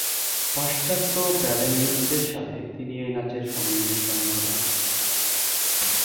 পাশ্চাত্য ব্যালে নৃত্যের সাথে তিনি এই নাচের সংমিশ্রণ ঘটান।